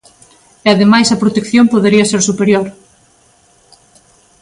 E ademais a protección podería ser superior.